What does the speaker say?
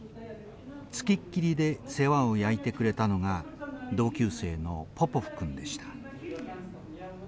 付きっきりで世話を焼いてくれたのが同級生のポポフ君でした。